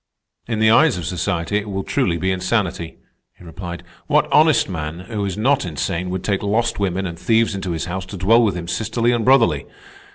"In the eyes of society it will truly be insanity," he replied. "What honest man, who is not insane, would take lost women and thieves into his house to dwell with him sisterly and brotherly?